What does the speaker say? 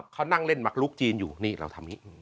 เขานั่งเล่นมักลุกจีนอยู่นี่เราทำอย่างนี้